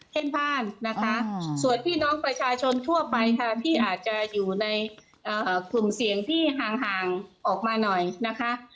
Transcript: เช่นบ้านนะคะส่วนพี่น้องประชาชนทั่วไปค่ะที่อาจจะอยู่ในกลุ่มเสี่ยงที่ห่างออกมาหน่อยนะคะ